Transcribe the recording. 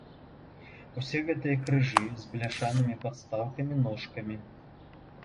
Усе гэтыя крыжы з бляшанымі падстаўкамі-ножкамі.